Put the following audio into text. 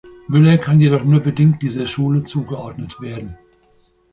Müller kann jedoch nur bedingt dieser Schule zugeordnet werden.